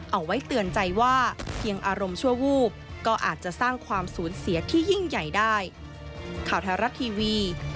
เอาไว้เตือนใจว่าเพียงอารมณ์ชั่ววูบก็อาจจะสร้างความสูญเสียที่ยิ่งใหญ่ได้